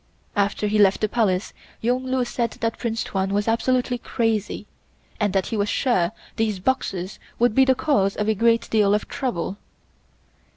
After he left the Palace, Yung Lu said that Prince Tuan was absolutely crazy and that he was sure these Boxers would be the cause of a great deal of trouble.